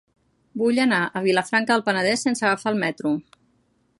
Vull anar a Vilafranca del Penedès sense agafar el metro.